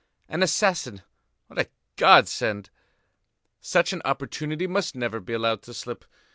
An assassin, what a godsend! Such an opportunity must never be allowed to slip.